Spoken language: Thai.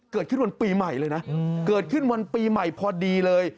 เกิดขึ้นวันปีใหม่เลยนะเกิดขึ้นวันปีใหม่พอดีเลย